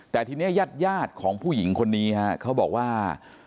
แต่ทีนี้ญาติของผู้หญิงคนนี้ฮะเขาบอกว่า